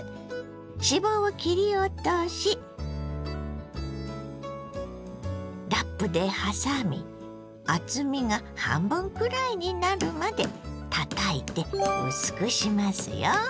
脂肪を切り落としラップではさみ厚みが半分くらいになるまでたたいて薄くしますよ。